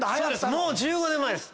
もう１５年前です。